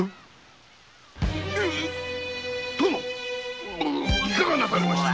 殿⁉いかがなされました。